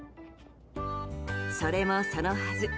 それもそのはず。